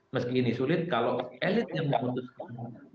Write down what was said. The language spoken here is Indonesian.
meski ini sulit kalau elit yang memutuskan